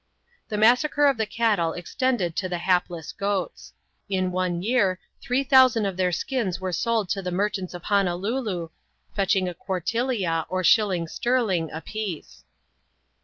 The massacre of the cattle extended to the hapless goats. In one year, three thousand of their skins were sold to the merchants of Honolulu, fetching a qtuzrtilic^ or a shilling sterling, a piece.